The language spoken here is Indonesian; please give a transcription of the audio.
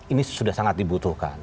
ini sudah sangat dibutuhkan